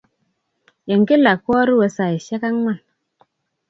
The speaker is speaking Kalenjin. Eng' kila korue saisyek ang'wan.